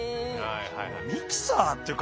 ミキサーっていうか。